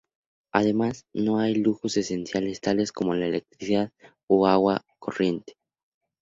Además, no hay lujos esenciales tales como la electricidad o agua corriente.